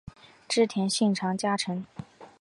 织田信长家臣。